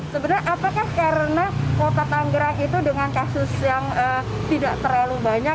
sebenarnya apakah karena kota tanggerang itu dengan kasus yang tidak terlalu banyak